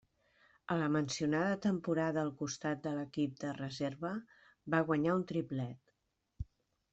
A la mencionada temporada al costat de l'equip de reserva, va guanyar un triplet.